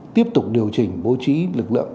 tiếp tục điều chỉnh bố trí lực lượng